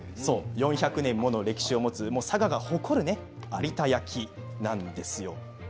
４００年もの歴史を持つ佐賀が誇る有田焼です。